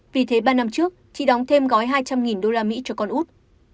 vì thế ba năm trước chị đóng thêm gói hai trăm linh usd cho con út